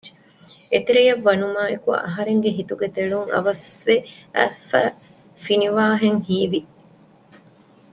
އެތެރެޔަށް ވަނުމާއެކު އަހަރެންގެ ހިތުގެ ތެޅުން އަވަސްވެ އަތްފައި ފިނިވާހެން ހީވި